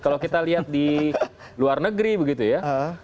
kalau kita lihat di luar negeri begitu ya